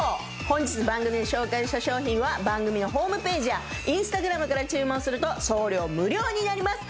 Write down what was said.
本日番組で紹介した商品は番組のホームページやＩｎｓｔａｇｒａｍから注文すると送料無料になります。